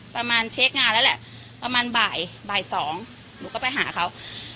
ประมาณเช็คงานแล้วแหละประมาณบ่ายสองหนูก็ไปหาเขา